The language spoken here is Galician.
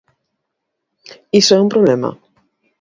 ¿Iso é un problema?